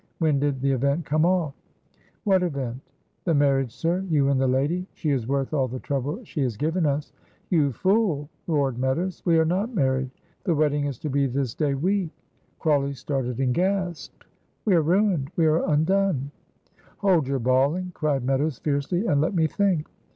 When did the event come off?" "What event?" "The marriage, sir you and the lady. She is worth all the trouble she has given us." "You fool," roared Meadows, "we are not married. The wedding is to be this day week!" Crawley started and gasped, "We are ruined, we are undone!" "Hold your bawling," cried Meadows, fiercely, "and let me think."